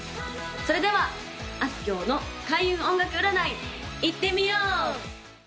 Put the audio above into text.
それではあすきょうの開運音楽占いいってみよう！